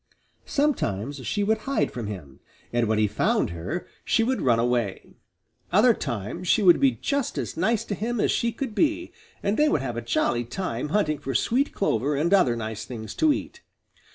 Sometimes she would hide from him, and when he found her she would run away. Other times she would be just as nice to him as she could be, and they would have a jolly time hunting for sweet clover and other nice things to eat.